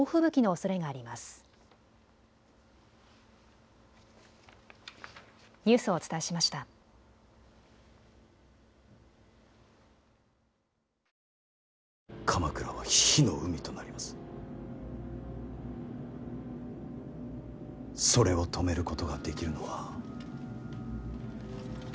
それを止めることができるのは。